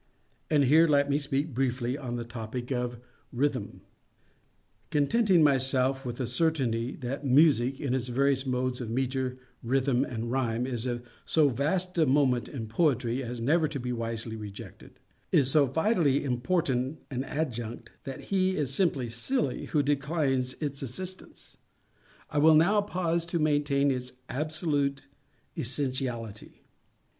And here let me speak briefly on the topic of rhythm. Contenting myself with the certainty that Music, in its various modes of metre, rhythm, and rhyme, is of so vast a moment in Poetry as never to be wisely rejected—is so vitally important an adjunct, that he is simply silly who declines its assistance, I will not now pause to maintain its absolute essentiality.